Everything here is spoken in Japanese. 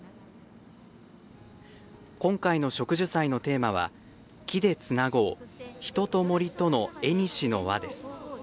今回の植樹祭のテーマは「木でつなごう人と森との縁の輪」です。